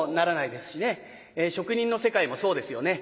職人の世界もそうですよね。